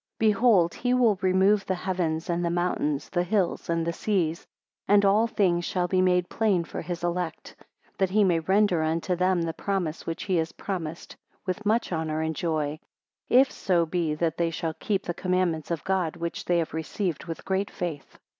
29 Behold he will remove the heavens, and the mountains, the hills, and the seas; and all things shall be made plain for his elect; that he may render unto them the promise which he has promised, with much honour and joy; if so be that they shall keep the commandments of God, which they have received with great faith.